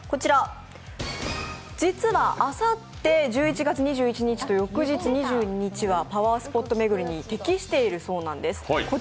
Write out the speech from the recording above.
実はあさって１１月２１日と翌日２２日はパワースポット巡りに適しているそうなんです。